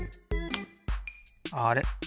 あれ？